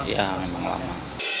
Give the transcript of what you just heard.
ya memang lama